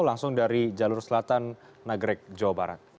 langsung dari jalur selatan nagrek jawa barat